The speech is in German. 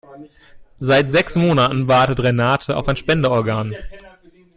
Seit sechs Monaten wartet Renate auf ein Spenderorgan.